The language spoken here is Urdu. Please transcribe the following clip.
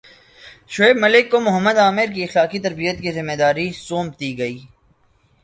شعیب ملک کو محمد عامر کی اخلاقی تربیت کی ذمہ داری سونپ دی گئی